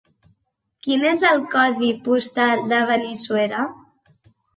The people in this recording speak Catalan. Quin és el codi postal de Benissuera?